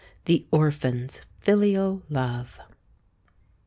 THE ORPHAN'S FILIAL LOVE.